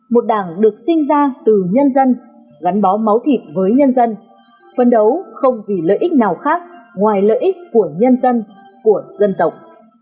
một đảng được sinh ra từ nhân dân gắn bó máu thịt với nhân dân phân đấu không vì lợi ích nào khác ngoài lợi ích của nhân dân của dân tộc